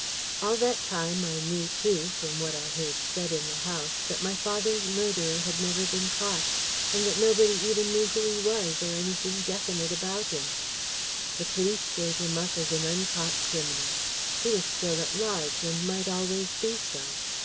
All that time I knew, too, from what I heard said in the house that my father's murderer had never been caught, and that nobody even knew who he was, or anything definite about him. The police gave him up as an uncaught criminal. He was still at large, and might always be so.